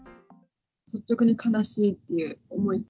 率直に悲しいという思い。